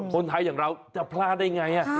คนไทยอย่างเราจะพลาดอย่างไร